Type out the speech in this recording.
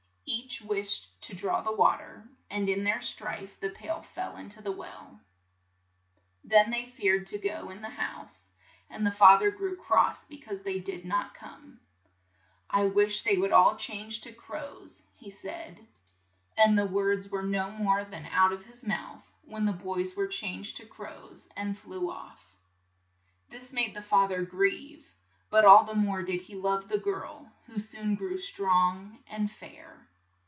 Each wished to draw the wa ter, and in their strife the pail fell [in to the well. Then they feared to go in the house, and the fa ther grew cross be cause they did not come, "I wish they would all change to crows," he said; and the words were 62 THE SEVEN CROWS EACH STAR SAT ON A GRAND SEAT OF ITS OWN. no more than out of his mouth, when the boys were changed to crows, and flew off. This made the fa ther grieve, but all the more did he love the girl, who soon grew strong and fair.